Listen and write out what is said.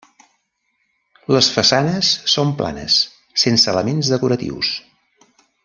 Les façanes són planes, sense elements decoratius.